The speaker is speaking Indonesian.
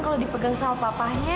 kalau dipegang sama papahnya